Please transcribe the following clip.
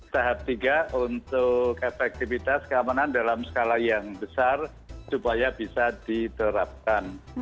tahap tiga untuk efektivitas keamanan dalam skala yang besar supaya bisa diterapkan